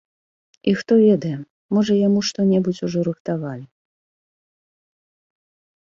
І хто ведае, можа яму што-небудзь ужо рыхтавалі.